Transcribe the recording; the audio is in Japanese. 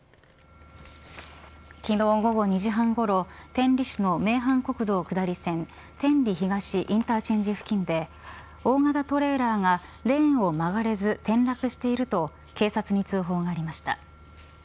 昨日午後２時半ごろ天理市の名阪国道下り線天理東インターチェンジ付近で大型トレーラーがレーンを曲がれず転落していると警察に通報がありました。